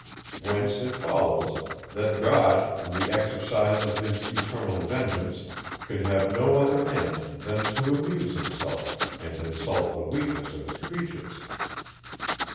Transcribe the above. Whence it follows, that God, in the exercise of his eternal vengeance, could have no other end than to amuse himself, and insult the weakness of his creatures.